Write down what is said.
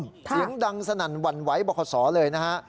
เสียงดังสนั่นหวั่นไหวบอกขอสอเลยนะฮะ